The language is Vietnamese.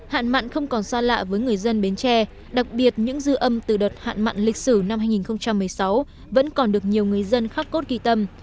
hạn mặn không còn xa lạ với người dân bến tre đặc biệt những dư âm từ đợt hạn mặn lịch sử năm hai nghìn một mươi sáu vẫn còn được nhiều người dân khắc cốt kỳ tâm